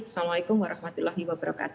assalamualaikum warahmatullahi wabarakatuh